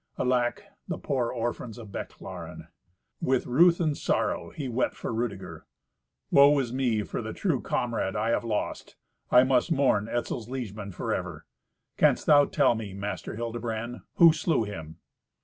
Alack! The poor orphans of Bechlaren!" With ruth and sorrow he wept for Rudeger. "Woe is me for the true comrade I have lost. I must mourn Etzel's liegeman forever. Canst thou tell me, Master Hildebrand, who slew him?"